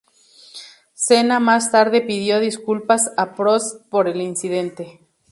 Senna más tarde pidió disculpas a Prost por el incidente.